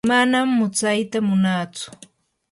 manam mutsyata munaatsu.